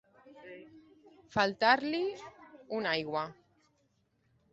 Faltar-li una aigua.